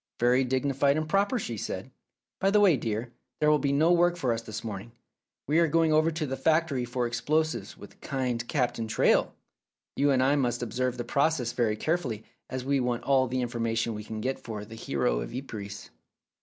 "Very dignified and proper," she said. "By the way, dear, there will be no work for us this morn ing. We are going over the factory for ex plosives with kind Captain Traill. You and I must observe the processes very carefully, as we want all the information we can get for ' The Hero of Ypres.'